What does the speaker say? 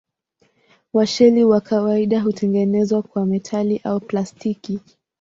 Washeli kwa kawaida hutengenezwa kwa metali au plastiki.